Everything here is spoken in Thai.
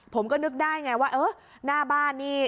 ผมก็นึกได้ไงว่าเออหน้าบ้านนี่